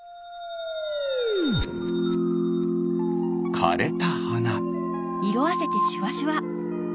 かれたはな。